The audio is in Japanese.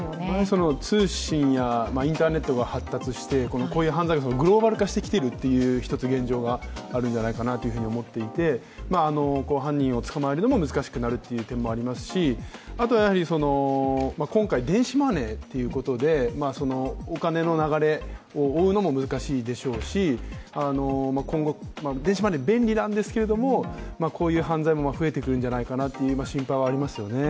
その通信やインターネットが発達して、こういう犯罪がグローバル化しているという現状があるんじゃないかと思っていて、犯人を捕まえるのも難しくなるという点もありますしあとはやはり今回電子マネーということでお金の流れを追うのも難しいでしょうし、今後、電子マネー便利なんですけどこういう犯罪も増えてくるんじゃないかという今、心配もありますよね。